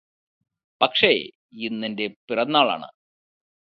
പക്ഷേ ഇന്നെന്റെ പിറന്നാളാണ്